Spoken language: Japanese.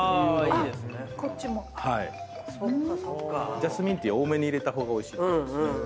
ジャスミンティー多めに入れた方がおいしいと思います。